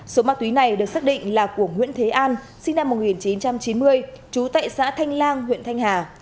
số ma túy này được xác định là của nguyễn thế an sinh năm một nghìn chín trăm chín mươi trú tại xã thanh lang huyện thanh hà